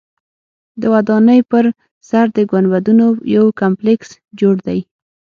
د ودانۍ پر سر د ګنبدونو یو کمپلیکس جوړ دی.